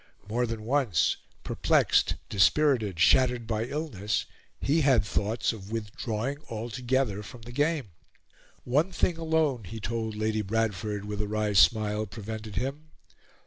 More than once, perplexed, dispirited, shattered by illness, he had thoughts of withdrawing altogether from the game. One thing alone, he told Lady Bradford, with a wry smile, prevented him.